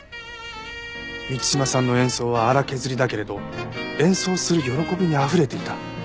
満島さんの演奏は粗削りだけれど演奏する喜びにあふれていた。